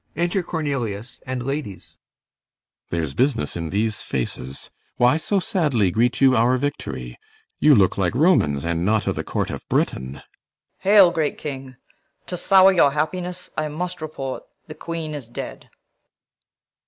Enter CORNELIUS and LADIES There's business in these faces. Why so sadly Greet you our victory? You look like Romans, And not o' th' court of Britain. CORNELIUS. Hail, great King! To sour your happiness I must report The Queen is dead.